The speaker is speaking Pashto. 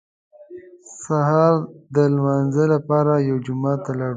سهار د لمانځه لپاره یو جومات ته لاړو.